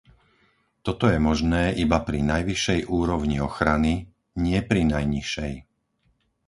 Toto je možné iba pri najvyššej úrovni ochrany, nie pri najnižšej.